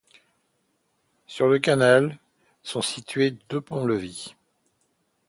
Sur le canal sont situés deux ponts-levis.